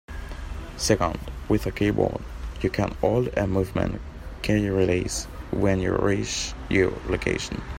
Second, with a keyboard you can hold a movement key and release when you reach your location.